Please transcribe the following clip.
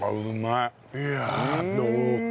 いやあ濃厚。